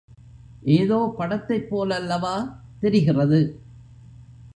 ஏதோ படத்தைப் போலல்லவா..... தெரிகிறது.